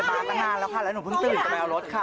มาตั้งนานแล้วค่ะแล้วหนูเพิ่งตื่นจะไปเอารถค่ะ